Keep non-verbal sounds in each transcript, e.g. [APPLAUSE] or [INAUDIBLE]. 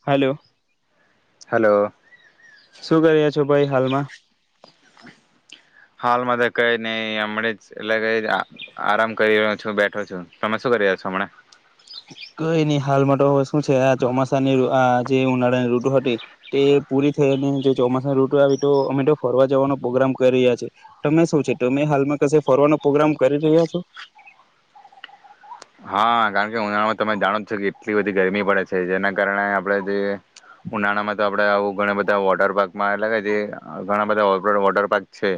Hello hello શું કરી રહ્યા છો? ભાઈ હાલમાં હાલમાં તો કઈ નહી હમનેજ એટલે કઈ આ આરામ કરી રહ્યો છું, બેઠો છું તમે શું કરી રહ્યા છો હમણા? કઈ નહી હાલમાં તો હવે શું છે આ ચોમાસાની આ જે ઉનાળાની ઋટુ હતી તે પૂરી થઈને જે ચોમાસાની ઋટુ આવી તો અમે તો ફરવા જવાનો પ્રોગ્રામ કરી રહ્યા છે, તમને શું છે તમે હાલમાં કસે ફરવાનો પ્રોગ્રામ કરી રહ્યા છો? હા કારણ કે ઉનાળામાં તમે જાણો જ છો કે એટલી બધી ગરમી પડે છે જેના કારણે આપડે જે ઉનાળામાં તો આપડે આવું ઘણા બધા વોટર પાર્કમાં એટલે કે જે ઘણા બધા વોટર વોટર પાર્ક છે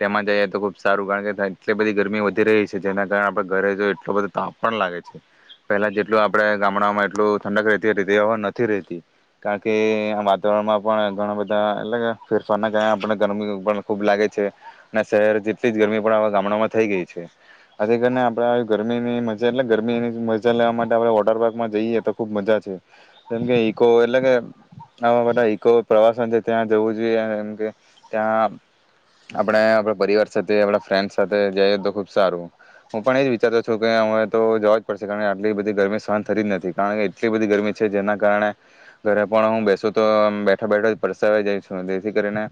તેમાં જઈએ તો ખુબ સારું કારણ કે ત્યાં એટલી બધી ગરમી વધી રહી છે જેના કારણે આપણે ઘરે જોએ એટલો બધો તાપ પણ લાગે છે પહેલા જેટલું આપણે ગામડામાં એટલું ઠંડક રહેતી તે હવે નથી રહેતી કારણ કે આ વાતાવરણમાં પણ ઘણા બધા એટલે ફેરફારના કારણે આપણે ગરમી પણ ખૂબ લાગે છે અને શહેર જેટલી જ ગરમી પણ આપણા ગામડામાં થઈ ગઈ છે, અથી કરીને આપણા આવી ગરમીની મ એટલે ગરમીની મજા લેવા માટે આપડ વોટર પાર્કમાં જઈએ તો ખુબ મજા છે, જેમકે ઈકો એટલે કે આવા બધા ઈકો પ્રવાસન છે ત્યાં જવું જોઈએમ કે ત્યાં આપણે આપણા પરિવાર સાથે આપણા ફ્રેન્ડ સાથે જઈએ તો ખુબ સારું, હું પણ એજ વિચારતો છું કે તો જવા જ પડશે કારણ કે આટલી બધી ગરમી સહન થતી જ નથી કારણ કે એટલી બધી ગરમી છે જેના કારણે ઘરે પણ હું બેસું તો બેઠા બેઠા પરસ જઈ છું જેથી કરીને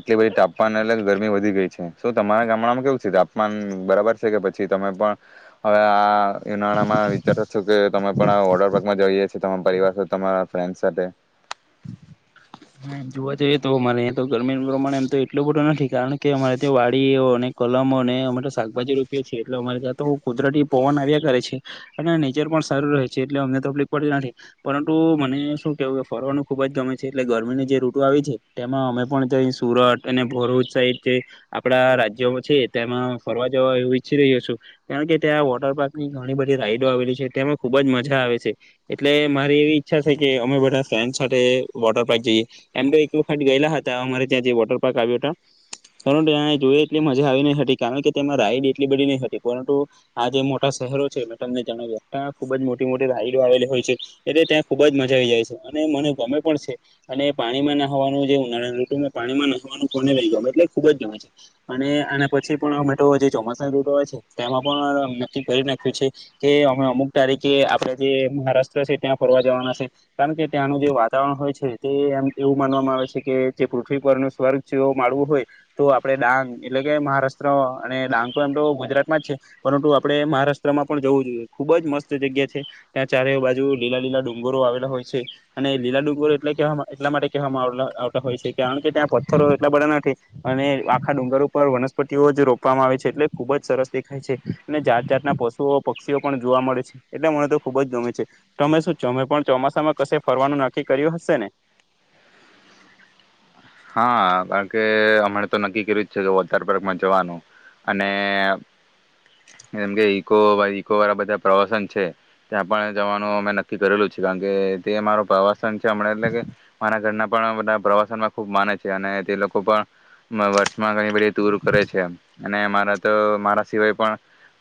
એટલી બધી તાપમાન એટલે ગરમી વધી ગઈ છે, સુ તમારા ગામડામાં કેવું છે તાપમાન બરાબર છે કે પછી તમે પણ હવે આ એ નાણામાં વિચારો છો કે તમે પણ આ વોર્ટર પાર્કમાં જઈ છ તમારા પરિવાર સાથે તમારા ફ્રેન્ડ સાથે હા એમ જોવા જઈએ તો મને તો ગરમી નો પ્રમાણે એમ તો એટલું બટો નથી કારણ કે અમારે ત્યાં વાડીઓ અને કલમો અને અમે તો શાકભાજી રોપએ છીએ એટલે અમારે ત્યાં તો કુદરતી પવન આવ્યા કરે છે, અને નેચર પણ સારું રહે છે એટલે અમને તોકલીક પડતી નથી પરંતુ મને શું કેહેવું કે ફરવાનું ખૂબ જ ગમે છે એટલે ગરમીની જે ઋટુ આવી છે તેમાં અમે પણ જાઈ સુરત અને ભરૂચ સાઈડ જે આપણા રાજ્યોમાં છે તેમાં ફરવા જવા એવું ઈચ્છી રહ્યો છું કારણ કે ત્યાં વોટર પાર્ક ની ઘણી બધી રાઈડો આવેલી છે તેમાં ખુબ જ મજા આવે છે, એટલે મારી એવી ઈચ્છા છે કે અમે બધા ફ્રેન્ડ સાથે વોટર પાર્ક જઈએ. એમ તો એક વખત ગયેલા હતા અમારે ત્યાં જે વોટર પાર્ક આવ્યો હતા, પરંતુ ત્યાં જોઈ એટલી મજા આવી નહી હતી કારણ કે તેમાં રાઈડ એટલી બધી નહી હતી પરંતુ આ જે મોટા શહેરો છે મેં તમને જણાવ્યા ત્યાં ખૂબ જ મોટી મોટી રાઈડ આવેલી હોય છે એટલે ત્યાં ખુબ જ મજા આવી જાય છે અને મને ગમે પણ છે, અને પાણીમાં ના હવાનું જે ઉનાળાની ઋટુ પાણીમાં ન હવાનું કોને લઈ ગ એટલે ખુબ જ ગમે છે, અને આના પછી પણ અમે તો જે ચોમાસાની રૂટો હોય છે તેમાં પણ નક્કી કરી નાખ્યું છે કે અમે અમુક તારીખે આપણે જે મહારાષ્ટ્ર છે ત્યાં ફરવા જવાના છે કારણ કે ત્યાંનું જે વાતાવરણ હોય છે તે એમ એવું માનવામાં આવે છે કે જે પૃથ્વી પરરનું સ્વર્ગ જો માળવું હોય તો આપડણે ડાંગ એટલે કે મહારાષ્ટ્ર અને ડાંગ તો એમ તો ગુજરાત માં જ છે પરંતુ આપણે મહારાષ્ટ્રમાં પણ જવું જોઈએ ખુબ જ મસ્ત જગ્યા છે, ત્યાં ચારે બાજુ લીલા લીલા ડુંગરો આવેલા હોય છે અને લીલા ડુંગરો એટલે કેહેવામાં એટલા માટે કે [UNINTELLIGIBLE] આવતા હોય છે કારણ કે ત્યાં પથ્થરો એટલા બડ્યા નથી અને આખા ડુંગર ઉપર વનસ્પતિઓ જ રોપવામાં આવે છે એટલે ખુબ જ સરસ દેખાય છે, અને જાત જાતના પશુઓ પક્ષીઓ પણ જોવા મળે છે એટલે મને તો ખુબ જ ગમે છે, તમે શુંમે પણ ચોમાસામાં કશે ફરવાનું નક્કી કર્યું હશેને? હા કારણ કે હમણા તો નક્કી કર્યું જ છે, કે વોટરપાર્કમાં જવાનું અને જેમ કે ઈકો ઈકો વાળા બધા પ્રવાસન છે, ત્યાં પણ જવાનું અમે નક્કી કરેલું છે, કારણ કે તે અમારો પ્રવાસ [UNINTELLIGIBLE] એટલે કે મારા ઘરના પણ બધા પ્રવાસનમાં ખુબ માને છે અને તે લોકો પણ નવ વર્ષ એમાં ઘણી બધી દૂર કરે છે આમ અને એમાં [UNINTELLIGIBLE] મારા સિવાય પણ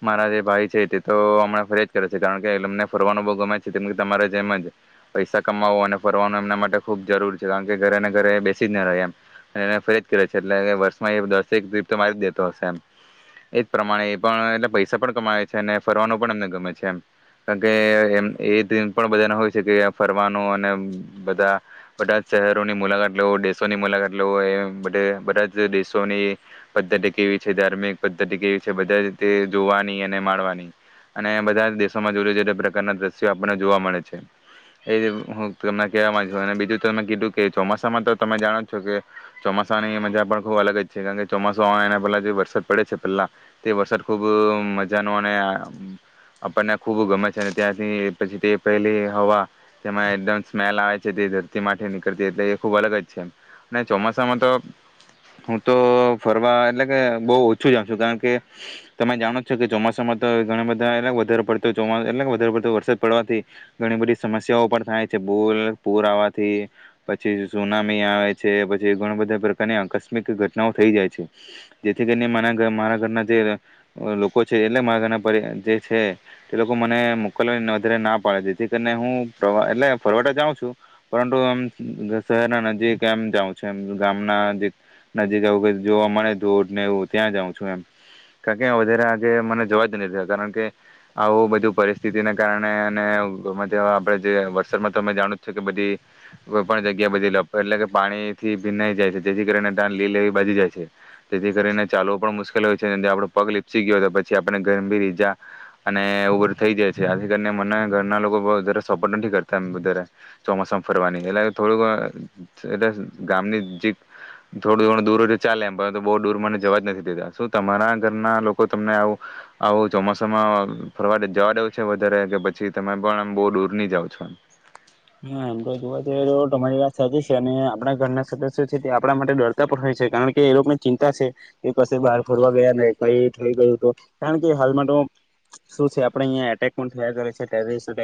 મારા જે ભાઈ છે તે તો હમણાં ફરીયા જ કરે છે કારણ કેમને ફરવાનું બહુ ગમે છે કેમ કે તમારે જેમ જ પૈસા કમાવો અને ફરવાનું એમના માટે ખુબ જરૂરી છે કારણ કે ઘરેને ઘરે બેસી સી રહે એમ અને એને ફરીયાદ કેવાય છે એટલે વર્ષમાં દસ એક ટ્રીપ તો મારી દેતો હશે એમ, એજ પ્રમાણે એ પણ એટલે પૈસા પણ કમાવે છે અને ફરવાનું પણ એમને ગમે છે એમ કારણ કેમ એમ એ દિન પણ બધાને હોય છે કે ફરવાનું અને બધા બધા શહેરોની મુલાકાત લેવો સૌ ની મુલાકાત લે ઓ એમ બધ બધા જ દેશોની પદ્ધતિ કેવી છે ધાર્મિક પદ્ધતિ કેવી છે બધા રીતે જોવાની અને માણવાની અને બધા દેશોમાં જુદા જુદા પ્રકારના દ્રશ્યો આપણને જોવા મળે છે, એ હું તમને કહેવા માંગ છુ અને બીજું તમે કીધું કે ચોમાસામાં તો તમે જાણો જ છો કે ચોમાસાની મજા પણ ખૂબ અલગ જ છે કારણ કે ચોમાસા એના પહેલા જે વરસાદ પડે છે પહેલાં તે વરસાદ ખૂબ મજાનો અને આપણને ખૂબ ગમે છે અને ત્યાંથી પછી તે પહેલી હવા તેમાં એકદમ સ્મેલ આવે છે તે ધરતી માટે નીકળતી એટલે એ ખૂબ અલગ જ સેમ અને ચોમાસામાં તો હું તો ફરવા એટલે કે બહ ઓછું જાઉ છું કારણ કે તમે જાણો છો કે ચોમાસામાં તો ઘણા બધા એટ વધારે પડતો ચો એટલે વધારે પડતો વરસાદ પડવાથી ઘણી બધી સમસ્યા પણ થાય છે બૂલ પૂર આવવાથી પછી સૂના [UNINTELLIGIBLE] આવે છે પછી ઘણા બધા પ્રકારની આકસ્મિક ઘટનાઓ થઈ જાય છે, જેથી કરીને માના મારા ઘરના જે લોકો છે એટલે મારા ઘરના પ જે છે તે લોકો મને મોકલવા અત્યારે ના પડી દીધી [UNINTELLIGIBLE] હું ફરવા એટલે ફરવા જાઉં છું પરંતુમ શહેરના જે કેમ જાઉં છ એમ ગામના જે નજીક આવું કે જોવા મળે ધોડને એવું ત્યાં જાઉં છું એમ. ક કે વધારે આજે મને જોવા જ નહી દીયે કારણ કે આવું બધું પરિસ્થિતિના કારણે અને [UNINTELLIGIBLE] આપડે જે વરસાદમાં તમે જાણું છે કે બધી કોઈ પણ જગ્યા બધી લપ એટલે કે પાણી થી ભીનાઈ જાય છે જેથી કરીને ધન લી લેવી બાજીી જાય છે. તેથી કરીને ચાલવો પણ મુશ્કે [UNINTELLIGIBLE] આપડો પગ લપસી ગયો છે પછી આપણે ગરભી ઈજા અને ઉગર થઇ જાય જેથી તને મને ઘરના લોકો બો વધારે સપોર્ટ નથી કરતા વધારે ચોમાસામાં ફરવાની એટલે થોડુંક સરસ ગામનીક જી થોડું થડું દૂર ચાલે એમ પરંતુ બહુ દૂર મને જવા જ નથી દેતા શું તમારા ઘરના લોકો તમને આવું આવું ચોમાસામાં ફરવા જવા દેઉ છે વધારે કે પછી તમે પણ બહુ દૂર ની જાવ છો એમ? હા એમ તો જોવા જઈએ એ તમારી વાત સાચી છે અને આપણા ઘરના સદસ્યો છે તે આપણા માટે ડરતા પણ હોય છે કારણ કે એ લોકોને ચિંતા છે કે કસે બહાર ફરવા ગયા ન કઈ થઈ ગયું તો કારણ કે હાલમાં તો શું છે આપણેે અહંયા એટેક પણ થયા કરે છે, ટેરીલેસ એટલે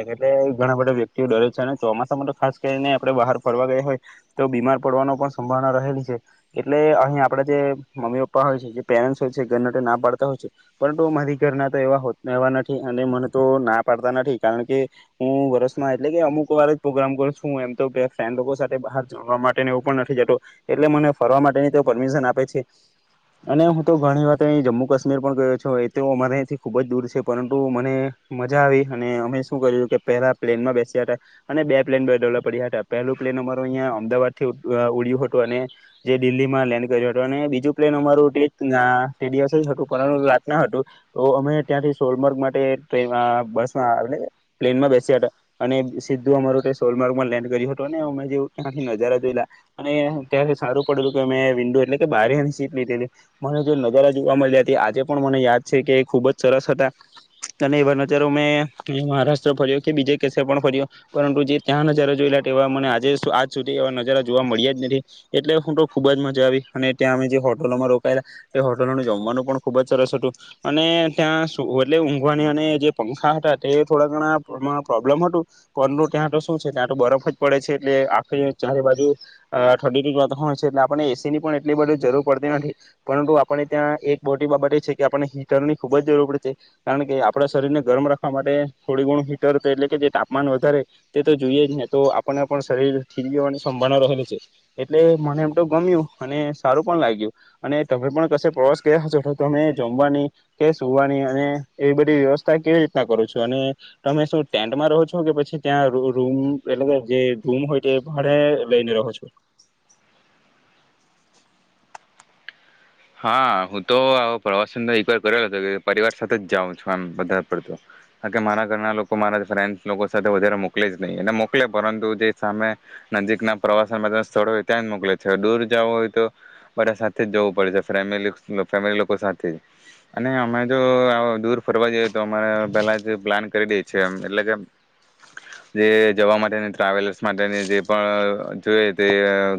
ઘણા બધા વ્યક્તિઓ ડરે છે. ચોમાસા માટે ખાસ કરીને આપણે બહાર ફરવા ગયા હોય તો બીમાર પડવાનો પણ સંભાવના રહેલી છે એટલે અહીં આપણા જે મમ્મી પપ્પા હોય છે જે પેરેન્ટ્સ હોય છે ઘરના ના પાડતા હોય છે, પરંતુ મારી ઘરના તો એવા એવા નથી અને મને તો ના પાડતા નથી કારણ કે હું વર્ષમાં એટલે કે અમુક [UNINTELLIGIBLE] પ્રોગ્રામ કરીશું એમ તો કહે ફ્રેન્ડ લોકો સાથે બહાર જવા માટેને એવું પણ નથી કેતો એટલે મને ફરવા માટેની તો પરમિશન આપે છે, અને હું તો ઘણી વાર જમ્મુ કાશ્મીર પણ ગયો છ એ તો અમારેથી ખુબ જ દૂર છે પરંતુ મને મજા આવી અને અમે શું કર્યું કે પહેલા પ્લેનમાં બેસ્યા હતા અને બે પ્લેન બદલવા પડ્યા હતા પહેલું પ્લેન અમારૂ અહીંયા અમદાવાદ થી ઉડ્યું હતું અને જે દિલ્હીમાં લેન્ડ કર્યું હતોું અને બીજું પ્લેન અમારું તે ના તે દિવસ જ હતું પરંતુ રાતના હતું તો અમે ત્યાંથી સોલમર્ગ માટે બસમાં પ્લેનમાં બેસ્યા હતા અને સીધું અમારું તે સોલમાર્ગમાં લેન્ડ કર્યું હતો ને અમે જેવું ત્યાંથી નજારા જોયેલા અને ત્યાંથી સારું પડેલું કે અમે વિન્ડો એટલે કે બારીની સીટ લીધેલી મને જે નજારા જોવા મળ્યા હતા આજે પણ મને યાદ છે કે ખુબ જ સરસ હતા અને એવા નજારો મેં મહારાષ્ટ્ર ફર્યો કે બીજે કેસર પણ ફર્યો પરંતુ જે ત્યાં નજારા જોયેલા એવા મને આજે આજ સુધી એવા નજારા જોવા મળ્યા જ નથી એટલે હું તો ખુબ જ મજા આવી અને ત્યાં અમે જે હોટલોમાં રોકાયેલા એ હોટલોને જમવાનું પણ ખુબ જ સરસ હતું અને ત્યાં એટલે ઊંઘવાની અને જે પંખા હતા તે થોડા ઘણા પ્રોબ્લેમ હતું પર ત્યાં તો શું છે ત્યાં તો બરફ જ પડે છે એટલે આખી ચારે બાજુ ઠંડી વાતાવરણય છે એટલે આપને એસી ની પણ એટલી બધી જરૂર પડતી નથી પરંતુ આપને ત્યાં એક મોટી બાબત એ છે કે આપણને હીટર ની ખુબ જ જરૂર પડે છે કારણ કે આપણા શરીરને ગરમ રાખવા માટે થોડી ગુણું હીટર તો એટલે કે જે તાપ ન વધારે તે તો જોઈએ જ ને તો આપણને પણ શરીર થી જવાની સંભાવના રહેલ છે એટલે મને એમ તો ગમ્યું અને સારું પણ લાગ્યું અને તમે પણ કશે પ્રવાસ ગયા હ છો તો તમે જમવાની કે સુવાની અને એવી બધી વ્યવસ્થા કેવી રીતના કરો છો અને તમે શું ટેન્ટમાં રહો છો કે પછી ત્યાં રૂમ એટલે કે જે રૂમ હોય તે ભાડે લઈને રહો છો હા હું તો પ્રવાસન તો એક વાર કરેલો હતો કે પરિવાર સાથે જ જાઉં છું આમ બારે પડતું કાર કે મારા ઘરના લોકો મારા ફ્રેન્ડ લોકો સાથે વધારે મોકલે જ નહી અને મોકલે પરંતુ જે સામે નજીક ના પ્રવાસન સ્થળ હોય ત્યાં જ મોકલે છે દૂર જવું હોય તો બધા સાથે જ જવું પડે છે. ફમલી લો ફેમિલી લોકો સાથે જ અને અમે જો દૂર ફરવા જઈએ તો અમારે પેલા જ પ્લાન કરી દઈએ છીએ એ એટલે કે જે જવા માટેની ટ્રાવેલર્સ માટેની જે પણ જોઈ તે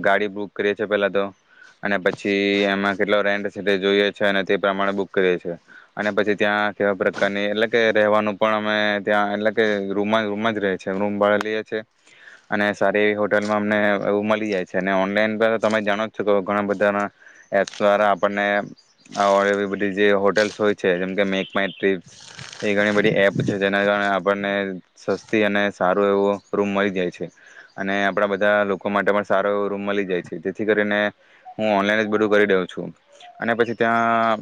ગાડી બુક કરીએ છીએ પેલા તો અને પછી એમાં કેટલો રેન્ટ સે જોઈએ છે અને તે પ્રમાણે બુક કરીએ છેએ અને પછી ત્યાં કેવા પ્રકારની એટલે કે રહેવાનું પણ અમે ત્યાં એટલે કે રૂમ જ રૂમ જ ર છે રૂમ ભાા લઈએ છીએ અને સારી એવી હોટેલમાં અમને એ મળી જાય છે અને ઓનલાઈન તમે જાણો જ છો ઘણા બધા દ્વારા આપણને એવી બધી જે હોટેલ્સ હોય છે જેમ કે મેક માય ટ્રીપ્સ એ ઘણી બધી એપ છે જેના કારણે આપણને સસ્તી અને સારો એવો રૂમ મળી જાય છે અને આપણા બધા લોકો માટે પણ સારો એવો રૂમ મળી જાય છે જેથી કરીને હું ઓનલાઈન જ બધું કરી દઉં છું અને પછી ત્યાં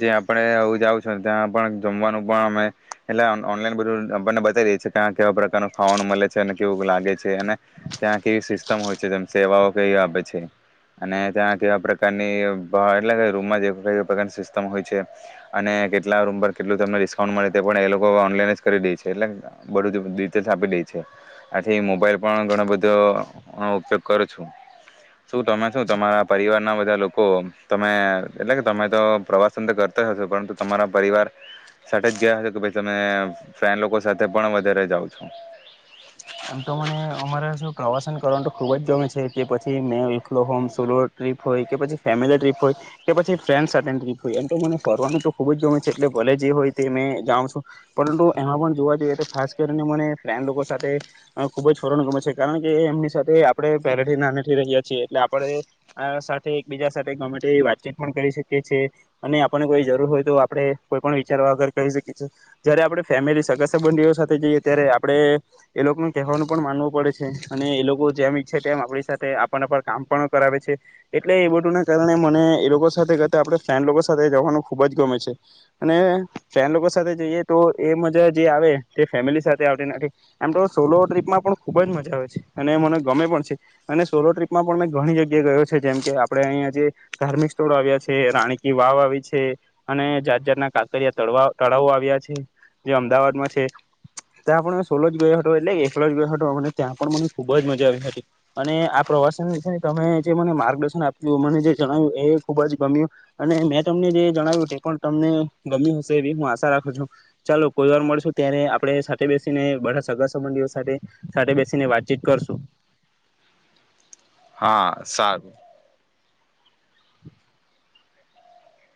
જે આપડ હું જાઉં છ ત્યાં જમવાનું પણ અમે એટ ઓનલાઈન બધું આપને બતાી કે્યા કેવા પ્રકારનું ખાવાનું મળે છે અને કેવું લાગે છે અને ત્યાં કેવી સિસ્ટમ હોય છે જે સેવાઓ કેવી આપે છે અને ત્યાં કેવાકાર એટલે રૂમમાં જે પ્રકારની સિસ્ટમ હોય છે અને કેટલા રૂમ પર કેટલું તમને ડિસ્કાઉન્ટ મળે તે પણ એ લોકો ઓનલાઈન જ કરી દે છે એટલે બધું ડિટેલ્સ આપી દે છે આથી મોબાઈલ પણ ઘણો બધો ઉપયોગ કરો છું શું તમે શું તમારા પરિવારના બધા લોકો તમે એટલે કે તમે તો પ્રવાસન તો કરતા હશો પરંતુ તમારા પરિવાર સાથે જ ગયા હશે કે ભ તમે ફ્રેન્ લોકો સાથે પણ વધારે જાઓ છો એમ તો મને અમારે શ પ્રવાસન કરવાનું તો ખૂબ જ ગમે છે કે પછી મેલો હોમ સોલો ટ્રીપ હોય કે પછી ફેમિલી ટ્રીપ હોય કે પછી ફ્રેન્ડ સાથેની ટ્રીપ હોય એમ તો મને ફરવાનું તો ખૂબ જ ગમે છે એટલે ભલે જે હોય તે મે જાઉં છું પરંતુ એમાં પણ જોવા જોઈએ એટલે ખાસ કરીને મને ફ્રેન્ડ લોકો સાથે અહ ખુબ જ ફરવાનો ગમે છે કારણ કે એમની સાથે આપડે પહેરેથી નાને થી રહ્યા છીએ એટલે આપડે આ સાથે એકબીજા સાથે ગમે વાતચીત પણ કરી શકીએ છીએ અને આપણને કોઈ જરૂર હોય તો આપડે કોઈ પણ વિચારવા વગર કરી શકીએ છએ જયારે આપડે ફેમિલી સગા સંબંધીઓ સાથે જઈએ ત્યારે આપડે એ લોકોનું કહેવાનું પણ માનવું પડે છે અને એ લોકો જેમ ઈચ્છે તેમ આપડી સાથે આપણ આપણ કામ પણ કરાવે છે એટલે એ બધુંના કારણે મને એ લોકો સાથે ગતા આપડે ફ્રેન્ડ લોકો સાથે જવાનું ખૂબ જ ગમે છે અને ફ્રેન્ડ લોકો સાથે જઈએ તો એ મજા જે આવે તે ફેમિલી સાથે આવતી નથી. એમ તો સોલો ટ્રીપમાં પણ ખૂબ જ મજા આવે છે અને મને ગમે પણ છે અને સોલો ટ્રીપમાં પણ મેં ઘણી જગ્યાએ ગયો છે જેમ કે આપડે અહીંયા જે ધાર્મિક સ્થળો આવ્યા છે રાણી ક વાવ આવી છે અને જાત જાાતના કાંકરિયા તળવા તળાવો આવ્યા છે જે અમદાવાદમાં છે ત્યાં પણ મેં સોલો હતો એટલે એકલો જ ગયો હતો અને ત્યાં પણ મને ખુબ જ મજા આવી હતી અને આ પ્રવાસન વિશે ત જે મને માર્ગદર્શન આપ્યું મને જે જણાવ્યું એ ખુબ જ ગમ્યું અને મેં તમને જે જણાવ્યું તે પણ તમને ગમ્યું હશે એવી હું આશા રાખું છું ચાલો કોઈ વાર મળશું ત્યારે આપણે સાથે બેસીને બ સગા સંબંધીઓ સાથે સાથે બેસીને વાતચીત કરશું હા સારું.